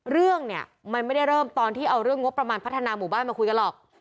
เรื่องเนี่ยมันไม่ได้เริ่มตอนที่เอาเรื่องงบประมาณพัฒนาหมู่บ้านมาคุยกันหรอก